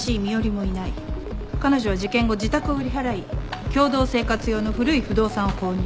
彼女は事件後自宅を売り払い共同生活用の古い不動産を購入。